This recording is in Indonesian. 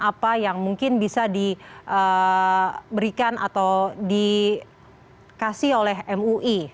apa yang mungkin bisa diberikan atau dikasih oleh mui